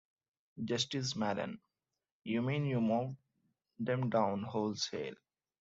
Justice Mallen: You mean you mowed them down wholesale!